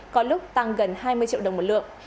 có lúc tăng gần hai mươi triệu đồng một lượng